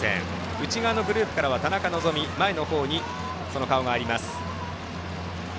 内側のグループから田中希実前のほうにその顔があります。